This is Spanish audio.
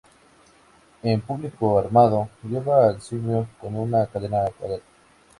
En público Armando lleva al simio con una cadena.